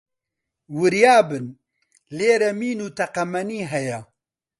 وریا بن، لێرە مین و تەقەمەنی هەیە